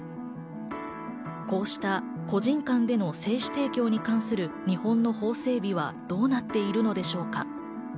こうした個人間での精子提供に関する日本の法整備は、どうなっているのでしょうか？